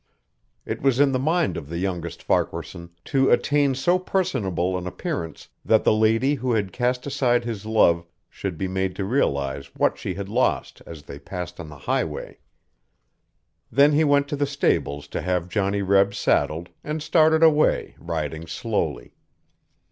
It was in the mind of the youngest Farquaharson to attain so personable an appearance that the lady who had cast aside his love should be made to realize what she had lost as they passed on the highway. Then he went to the stables to have Johnny Reb saddled and started away, riding slowly.